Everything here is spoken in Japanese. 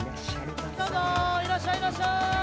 どうぞいらっしゃいいらっしゃい！